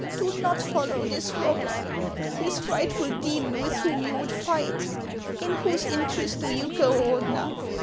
Do not follow this rubber, this frightful demon, with whom you would fight. In whose interest do you go, Ordener